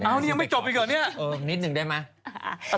อันนี้ยังไม่จบอีกเหรอเนี่ยนิดหนึ่งได้ไหม